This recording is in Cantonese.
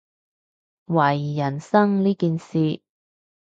懷疑人生呢件事